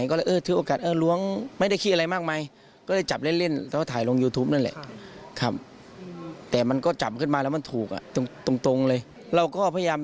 ก็แฟนคับก็อย่าอะไรมากมาย